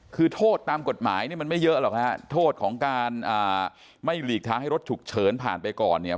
คือโทษตามกฎหมายเนี่ยมันไม่เยอะหรอกฮะโทษของการไม่หลีกทางให้รถฉุกเฉินผ่านไปก่อนเนี่ย